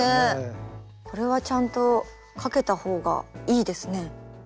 これはちゃんとかけた方がいいですね。